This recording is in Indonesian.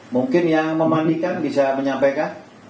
mungkin yang memanding kan bisa menyempainya